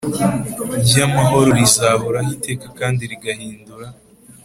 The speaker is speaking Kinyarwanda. ry’amahoro, rizahoraho iteka kandi rigahindura